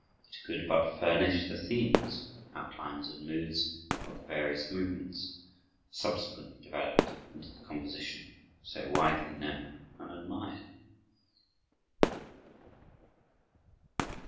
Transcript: It could but furnish the themes, outlines, and moods of the various movements, subsequently developed into the composition so widely known and admired.